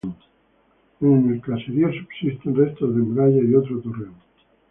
Entre el caserío subsisten restos de murallas y otro torreón.